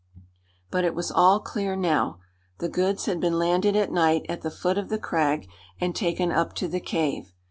But it was all clear now. The goods had been landed at night at the foot of the crag, and taken up to the cave.